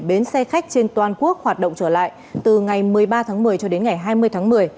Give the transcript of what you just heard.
bến xe khách trên toàn quốc hoạt động trở lại từ ngày một mươi ba tháng một mươi cho đến ngày hai mươi tháng một mươi